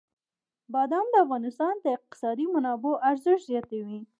بادام د افغانستان د اقتصادي منابعو ارزښت زیاتوي.